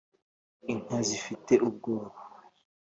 inka zifite ubwoba